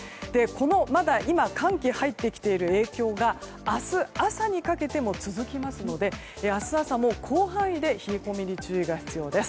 まだ寒気が入ってきている影響が明日朝にかけても続きますので明日朝も広範囲で冷え込みに注意が必要です。